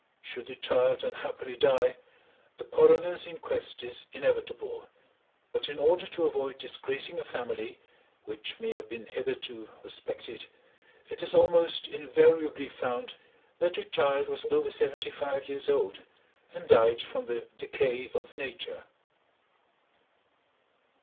Should the child unhappily die, a coroner's inquest is inevitable, but in order to avoid disgracing a family which may have been hitherto respected, it is almost invariably found that the child was over seventy five years old, and died from the decay of nature.